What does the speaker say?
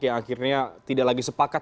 yang akhirnya tidak lagi sepakat